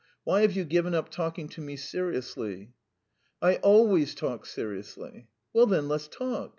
. Why have you given up talking to me seriously?" "I always talk seriously." "Well, then, let us talk.